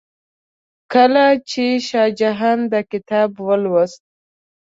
کله چې شاه جهان دا کتاب ولوست.